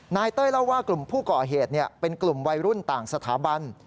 เต้ยเล่าว่ากลุ่มผู้ก่อเหตุเป็นกลุ่มวัยรุ่นต่างสถาบัน